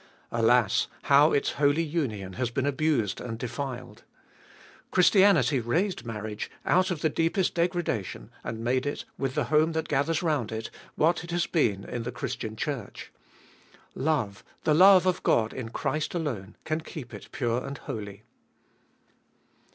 Alas, how its holy union has been abused and defiled ! Chris 520 Cbe ibolieet of 2UI tianity raised marriage out of the deepest degradation, and made it, with the home that gathers round it, what it has been in the Christian Church. Love, the love of God in Christ alone, can keep it pure and holy.